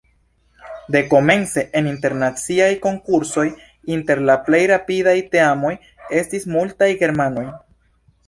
Dekomence en internaciaj konkursoj inter la plej rapidaj teamoj estis multaj germanoj.